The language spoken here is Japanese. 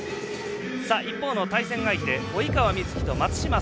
一方の対戦相手及川瑞基、松島輝